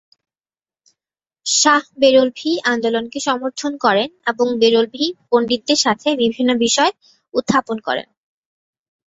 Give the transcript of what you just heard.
শাহ বেরলভী আন্দোলনকে সমর্থন করেন এবং বেরলভী পণ্ডিতদের সাথে বিভিন্ন বিষয় উত্থাপন করেন।